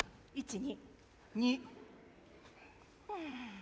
２！